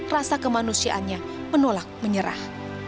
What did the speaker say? rasa kemanusiaannya menolak menyerah